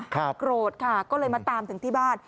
โกรธค่ะก็เลยมาตามถึงที่บ้าน